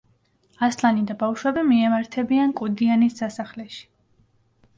ასლანი და ბავშვები მიემართებიან კუდიანის სასახლეში.